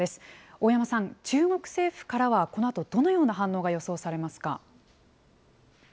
大山さん、中国政府からは、このあとどのような反応が予想されますか。